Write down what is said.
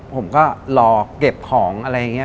ผมก็รอเก็บของอะไรอย่างนี้